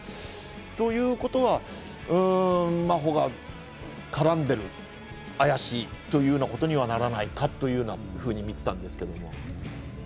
ということは真帆が絡んでる、怪しいということにはならないか？というふうに見ていたんですけど。